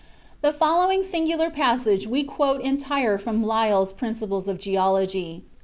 The following singular passage we quote entire from Lyell's "Principles of Geology," p.